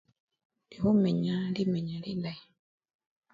Indi khumenya limenya lilayi.